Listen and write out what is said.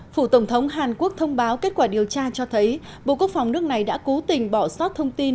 phủ tổng thống hàn quốc thông báo kết quả điều tra cho thấy bộ quốc phòng nước này đã cố tình bỏ sót thông tin